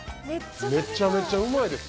めちゃめちゃうまいです。